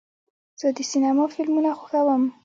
زه د سینما فلمونه خوښوم.